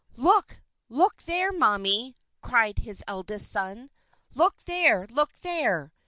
"Look! Look there, mammy!" cried his eldest son. "Look there! Look there!"